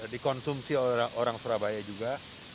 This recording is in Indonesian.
dikonsumsi orang surabaya juga